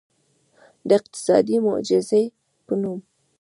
د اقتصادي معجزې په نوم.